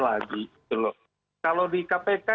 lagi kalau di kpk